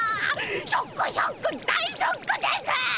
ショックショック大ショックです！